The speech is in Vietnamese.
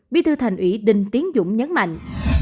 bi thư thành ủy đình tiến dũng nhấn mạnh